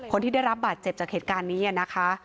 คนที่ได้รับบาดเจ็บจากเหตุการณ์นี้นะคะ